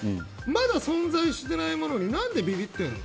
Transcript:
まだ存在してないものに何でビビってるの？